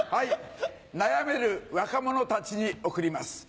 悩める若者たちに贈ります。